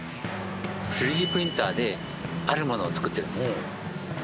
３Ｄプリンターであるものを作ってるんです。